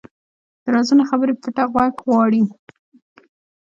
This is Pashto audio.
د رازونو خبرې پټه غوږ غواړي